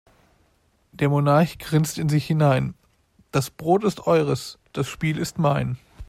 Der Monarch grinst in sich hinein: Das Brot ist eures, das Spiel ist mein.